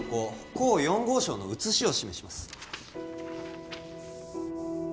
甲４号証の写しを示します